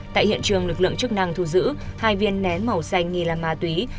tại hiện trường lực lượng chức năng thu giữ hai viên nén màu xanh nghi là ma túy